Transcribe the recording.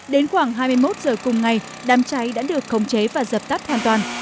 đến khoảng hai mươi một giờ cùng ngày đám cháy đã được khống chế và dập tắt hoàn toàn